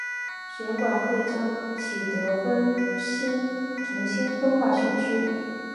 选管会将启德重新分划选区。